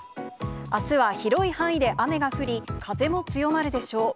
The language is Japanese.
あすは広い範囲で雨が降り、風も強まるでしょう。